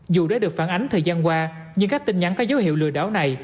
dù đã được phản ánh thời gian qua nhưng các tin nhắn có dấu hiệu lừa đảo này